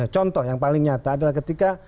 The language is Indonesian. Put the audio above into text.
contoh yang paling nyata adalah ketika